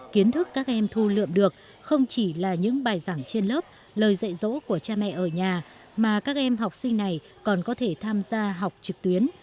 kiến thức các em thu lượm được không chỉ là những bài giảng trên lớp lời dạy dỗ của cha mẹ ở nhà mà các em học sinh này còn có thể tham gia học trực tuyến